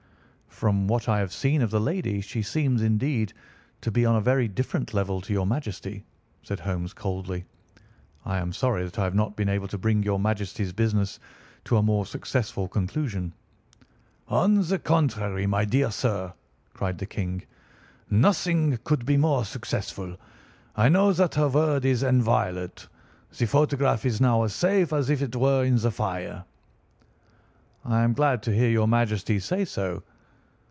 "From what I have seen of the lady, she seems, indeed, to be on a very different level to your Majesty," said Holmes coldly. "I am sorry that I have not been able to bring your Majesty's business to a more successful conclusion." "On the contrary, my dear sir," cried the King; "nothing could be more successful. I know that her word is inviolate. The photograph is now as safe as if it were in the fire." "I am glad to hear your Majesty say so."